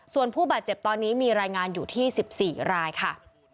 ส่วนผู้บาดเจ็บตอนนี้มีรายงานอยู่ที่๑๔รายค่ะ